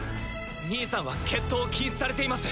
兄さんは決闘を禁止されています。